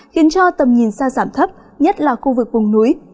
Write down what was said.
khiến cho tầm nhìn xa giảm thấp nhất là khu vực vùng núi